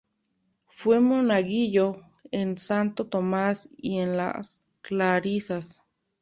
Fue monaguillo en Santo Tomás y en las Clarisas.